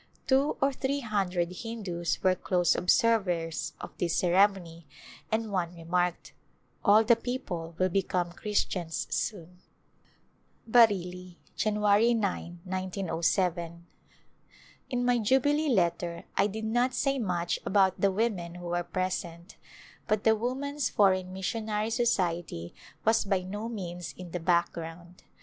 Two or three hundred Hindus were close observers of this ceremony and one remarked, " All the people will become Christians soon !" Bareilly^ Jan. p, iQoy. . In my Jubilee letter I did not say much about the women who were present, but the Woman's Foreign Missionary Society was by no means in the background.